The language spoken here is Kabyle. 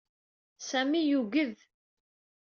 Sami yugg-d.